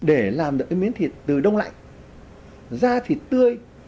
để làm được cái miếng thịt từ đông lạnh ra thịt tươi